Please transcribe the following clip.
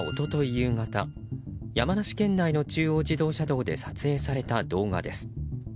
夕方山梨県内の中央自動車道で撮影された動画です。